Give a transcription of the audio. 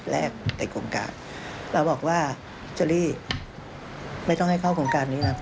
ในโครงการเราบอกว่าเชอรี่ไม่ต้องให้เข้าโครงการนี้นะ